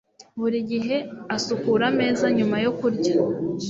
Buri gihe asukura ameza nyuma yo kurya.